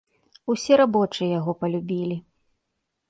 Усе рабочыя яго палюбілі.